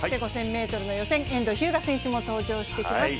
５０００ｍの予選、遠藤日向選手も登場してきます。